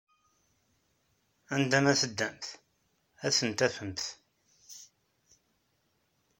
Anda ma teddamt, ad ten-tafemt.